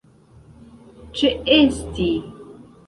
ĉeesti